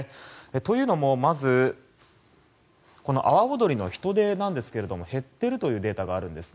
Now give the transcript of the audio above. というのもまず阿波おどりの人出なんですけど減っているというデータがあるんです。